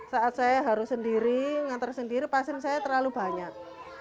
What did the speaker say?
saat saya harus sendiri mengantar sendiri pasien saya terlalu banyak